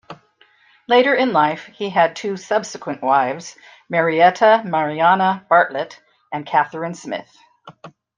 Later in life, he had two subsequent wives, Marietta Mariana Bartlett and Catherine Smith.